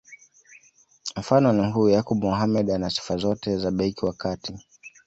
Mfano ni huyu Yakub Mohamed ana sifa zote za beki wa kati